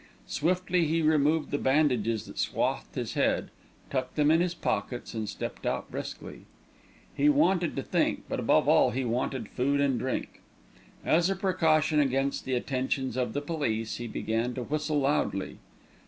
Swiftly he removed the bandages that swathed his head, tucked them in his pockets and stepped out briskly. He wanted to think, but above all he wanted food and drink. As a precaution against the attentions of the police he began to whistle loudly.